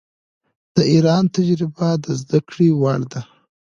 د ایران تجربه د زده کړې وړ ده.